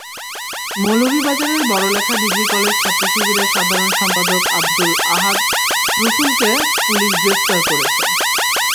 মৌলভীবাজারের Barlekha degree college ছাত্রশিবিরের সাধারণ সম্পাদক আবদুল আহাদ রুফুলকে পুলিশ গ্রেপ্তার করেছে।